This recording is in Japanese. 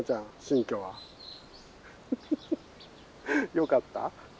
よかった？